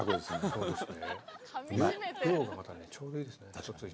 そうですね。